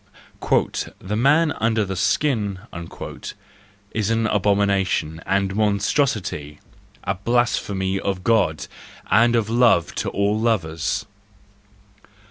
"The man under the skin" is an abomination and monstrosity, a blasphemy of God and of love to all lovers.